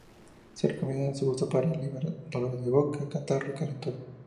Se recomienda su uso para aliviar dolores de boca, catarro y calentura.